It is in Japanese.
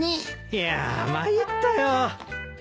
いやあ参ったよ。